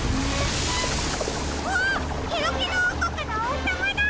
あっケロケロおうこくのおうさまだ！